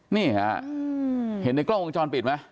นี่ฮะเห็นในกล้องวงจรปิดไหม